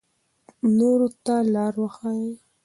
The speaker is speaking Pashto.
نورو ته لار وښایئ.